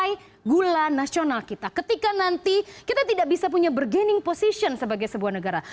nilai gula nasional kita ketika nanti kita tidak bisa punya bergaining position sebagai sebuah negara